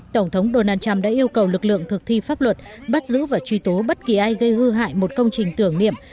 tổng thống donald trump đã yêu cầu lực lượng thực thi pháp luật bắt giữ và truy tố bất kỳ ai gây hư hại một công trình tưởng niệm